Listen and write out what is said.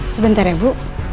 sebentar ya bu